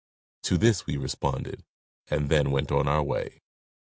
To this we responded and then went on our way.